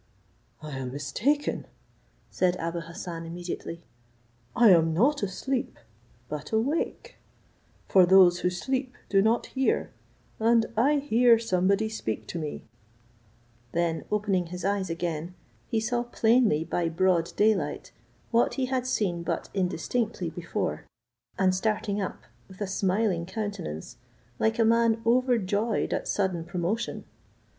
"I am mistaken," said Abou Hassan immediately, "I am not asleep, but awake; for those who sleep do not hear, and I hear somebody speak to me;" then opening his eyes again, he saw plainly by broad day light, what he had seen but indistinctly before; and started up, with a smiling countenance, like a man overjoyed at sudden promotion.